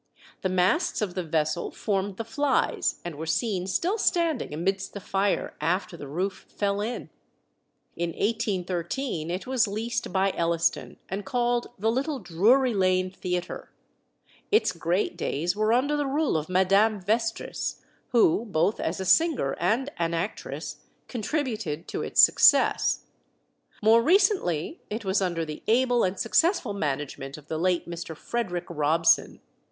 The masts of the vessel formed the flies, and were seen still standing amidst the fire after the roof fell in. In 1813 it was leased by Elliston, and called the Little Drury Lane Theatre. Its great days were under the rule of Madame Vestris, who, both as a singer and an actress, contributed to its success. More recently it was under the able and successful management of the late Mr. Frederick Robson.